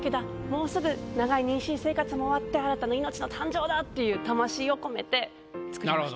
もうすぐ長い妊娠生活も終わって新たな命の誕生だっていう魂を込めて作りました。